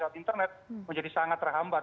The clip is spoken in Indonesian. lewat internet menjadi sangat terhambat